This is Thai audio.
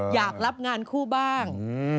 อยากรับงานคู่บ้าง